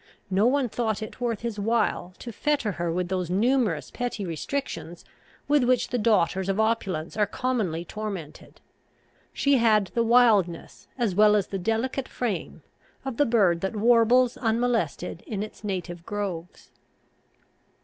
No one thought it worth his while to fetter her with those numerous petty restrictions with which the daughters of opulence are commonly tormented. She had the wildness, as well as the delicate frame, of the bird that warbles unmolested in its native groves.